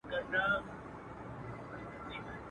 نه د ډیک غریب زړګی ورنه صبرېږي.